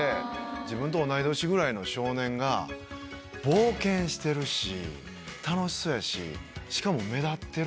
自分と同い年ぐらいの少年が冒険してるし楽しそうやししかも目立ってると。